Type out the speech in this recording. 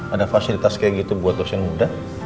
ada fasilitas kayak gitu buat dosen muda